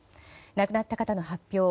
亡くなった方の発表